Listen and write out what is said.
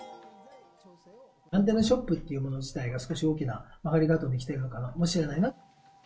アンテナショップっていうもの自体が、少し大きな曲がり角にきているのかもしれないな。